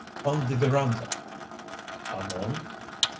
"On the veranda." "Alone?"